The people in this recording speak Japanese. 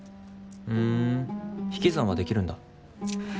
ふん引き算はできるんだ。